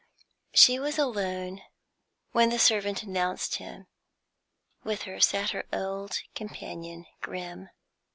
She was alone when the servant announced him; with her sat her old companion, Grim.